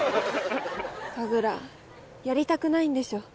神楽やりたくないんでしょ？